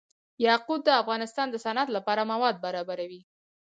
یاقوت د افغانستان د صنعت لپاره مواد برابروي.